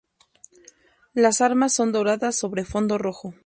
Las armas son doradas sobre fondo rojo.